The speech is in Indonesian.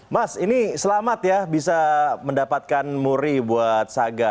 mas ini selamat ya bisa mendapatkan muri buat saga